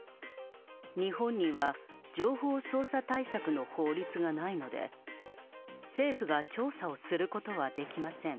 日本には情報操作対策の法律がないので、政府が調査をすることはできません。